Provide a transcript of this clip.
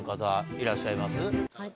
はい！